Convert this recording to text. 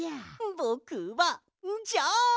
ぼくはジャン！